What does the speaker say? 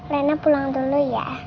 rena pulang dulu ya